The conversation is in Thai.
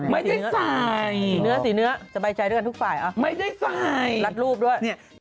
ไม่ได้ใส่สีเนื้อสีเนื้อสบายใจด้วยกันทุกฝ่ายอ่ะรัดรูปด้วยไม่ได้ใส่